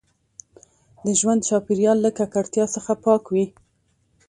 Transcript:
د ژوند چاپیریال له ککړتیا څخه پاک وي.